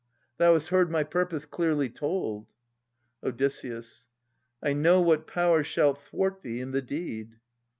Thou hast heard my purpose clearly told. Od. I know what power shall thwart thee in the deed.